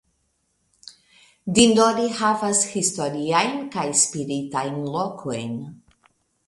Dindori havas historiajn kaj spiritajn lokojn.